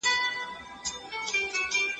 څنګه شخصي شوقونه ذهني ستړیا لري کوي؟